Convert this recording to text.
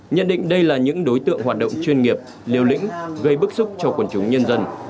nhận định đây là những đối tượng hoạt động chuyên nghiệp liều lĩnh gây bức xúc cho quần chúng nhân dân